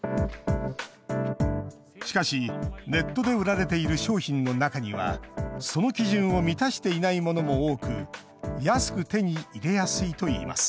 しかしネットで売られている商品の中にはその基準を満たしていないものも多く安く手に入れやすいといいます。